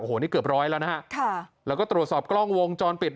โอ้โหนี่เกือบร้อยแล้วนะฮะค่ะแล้วก็ตรวจสอบกล้องวงจรปิด